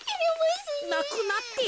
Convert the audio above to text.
なくなって。